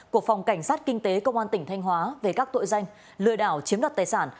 của phòng cảnh sát kinh tế công an tỉnh thanh hóa về các tội danh lừa đảo chiếm đoạt tài sản